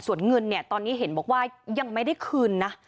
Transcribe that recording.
ส่วนเงินเนี่ยตอนนี้เห็นบอกว่ายังไม่ได้คืนนะ